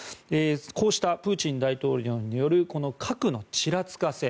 こうしたプーチン大統領による核のちらつかせ。